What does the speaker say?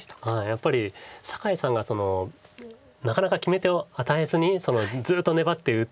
やっぱり酒井さんがなかなか決め手を与えずにずっと粘って打って。